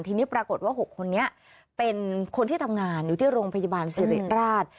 ทีนี้ปรากฏว่า๖คนนี้เป็นคนที่ทำงานอยู่ที่โรงพยาบาลสิริราช